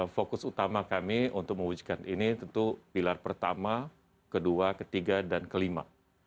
fokus utama kami untuk mewujudkan ini tentu pilar pertama kedua ketiga dan kelima